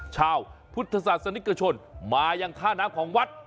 ชาวพุทธศาสนิกชนมายังท่าน้ำของวัด